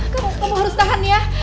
kamu harus tahan ya